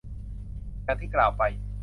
อย่างที่กล่าวไป